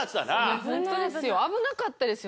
危なかったですよ。